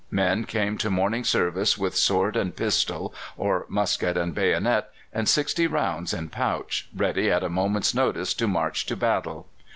Men came to morning service with sword and pistol, or musket and bayonet, and sixty rounds in pouch, ready at a moment's notice to march to battle.